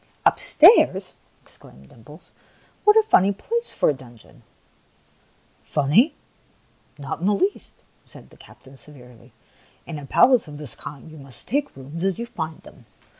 "Upstairs!" exclaimed Dimples. "What a funny place for a dungeon !"" Funny ? Not in the least !" said the cap tain, severely. " In a palace of this kind you must take the rooms as you find them.